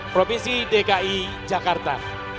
provinsi dki jakarta